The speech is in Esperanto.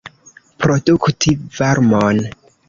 Produkti varmon.